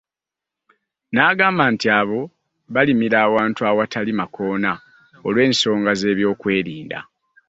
N'agamba nti bo balimira wantu awatali makoona olw'ensonga z'ebyokwerinda.